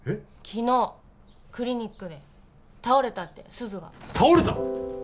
昨日クリニックで倒れたって鈴が倒れた！？